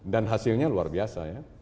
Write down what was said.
dan hasilnya luar biasa ya